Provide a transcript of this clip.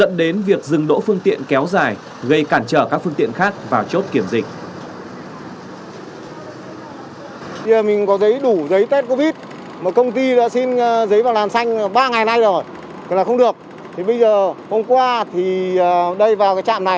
hưng đỗ phương tiện kéo dài gây cản trở các phương tiện khác vào chốt kiểm dịch